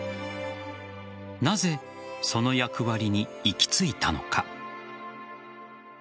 なぜ、その役割に行き着いたのか。